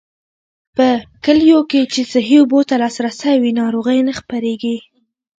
په کليو کې چې صحي اوبو ته لاسرسی وي، ناروغۍ نه خپرېږي.